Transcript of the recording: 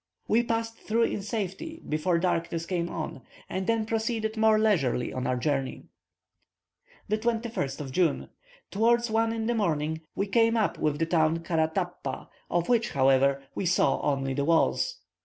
We passed through in safety before darkness came on, and then proceeded more leisurely on our journey. 21st June. Towards 1 in the morning, we came up with the town Karatappa, of which, however, we saw only the walls.